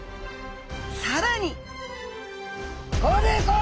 さらに！